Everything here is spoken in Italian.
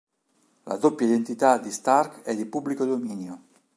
La doppia identità di Stark è di pubblico dominio.